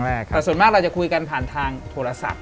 แต่ส่วนมากเราจะคุยกันผ่านทางโทรศัพท์